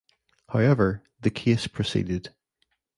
However, the case proceeded.